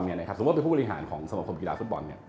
สมมุติว่าเป็นผู้บริหารของสมบัติศาสตร์กีฬาฟุตบอล